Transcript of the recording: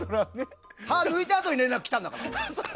歯抜いたあとに連絡来たんだもん。